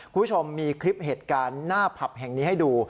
คุณผู้ชมมีคลิปเหตุการณ์หน้าผับแห่งนี้ให้ดู